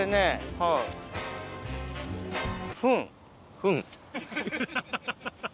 フン。